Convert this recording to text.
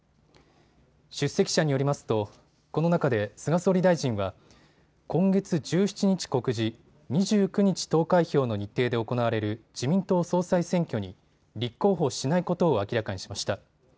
出席者によりますとこの中で菅総理大臣は今月１７日告示、２９日投開票の日程で行われる自民党総裁選挙に立候補しないことを明らかにしました。